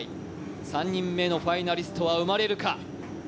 ３人目のファイナリストは生まれるか。